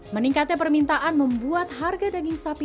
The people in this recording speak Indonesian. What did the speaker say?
meningkatnya permintaan membuat harga daging sapi